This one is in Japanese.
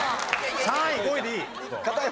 ３位５位でいい。